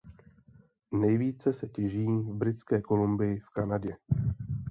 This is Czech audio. Nejvíce se těží v Britské Kolumbii v Kanadě.